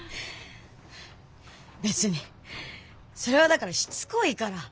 別にそれはだからしつこいから。